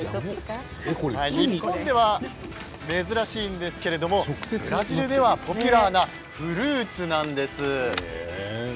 日本では珍しいんですけれどもブラジルではポピュラーなフルーツなんです。